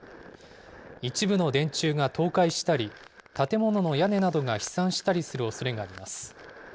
一部の電柱が倒壊したり、建物の屋根などが飛散したりするおそれがあります。